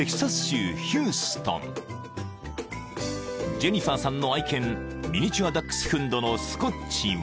［ジェニファーさんの愛犬ミニチュア・ダックスフンドのスコッチは］